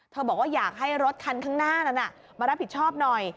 บอกว่าอยากให้รถคันข้างหน้านั้นมารับผิดชอบหน่อย